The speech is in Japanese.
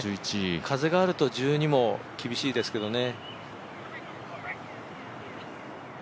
風があると１２も厳しいですけどね。